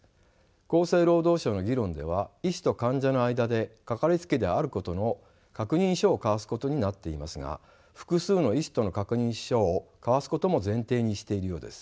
厚生労働省の議論では医師と患者の間でかかりつけ医であることの確認書を交わすことになっていますが複数の医師との確認書を交わすことも前提にしているようです。